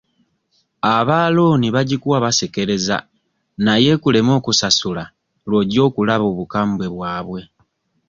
Aba looni bagikuwa basekereza naye ekuleme okusasula lw'ojja okulaba obukambwe bwabwe.